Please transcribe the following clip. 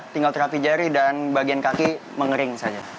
tinggal terapi jari dan bagian kaki mengering saja